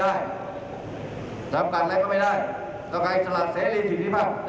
จำกัดอะไรก็ไม่ได้ก็ไขสลัดเศรษฐีถึงที่บ้าง